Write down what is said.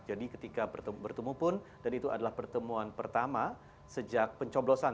jadi ketika bertemu pun dan itu adalah pertemuan pertama sejak pencoblosan